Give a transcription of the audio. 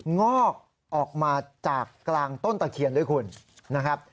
งอกออกมาจากกลางต้นตะเคียนด้วยคุณนะครับ